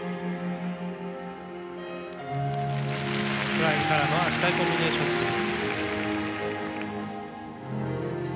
フライングからの足換えコンビネーションスピン。